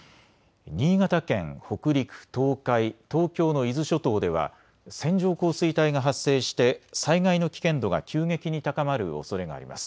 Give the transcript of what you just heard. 新潟県、北陸、東海、東京の伊豆諸島では線状降水帯が発生して災害の危険度が急激に高まるおそれがあります。